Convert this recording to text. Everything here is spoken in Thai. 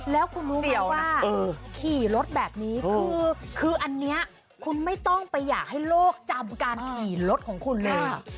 แล้วคุณรู้ไหมว่าขี่รถแบบนี้คืออันนี้คุณไม่ต้องไปอยากให้โลกจำการขี่รถของคุณเลย